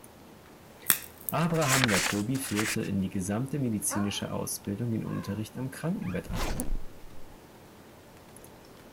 Abraham Jacobi führte in die gesamte medizinische Ausbildung den Unterricht am Krankenbett ein.